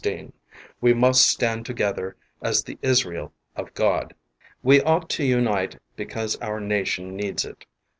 We must stand together as the Israel of God. 2. We ought to unite because our nation needs it.